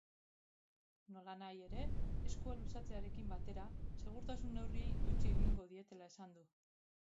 Nolanahi ere, eskua luzatzearekin batera segurtasun-neurriei eutsi egingo dietela esan du.